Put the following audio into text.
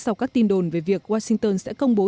sau các tin đồn về việc washington sẽ công bố